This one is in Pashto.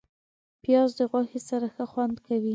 پیاز د غوښې سره ښه خوند کوي